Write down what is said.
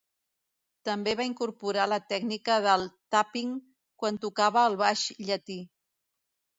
També va incorporar la tècnica del "tapping" quan tocava el baix llatí.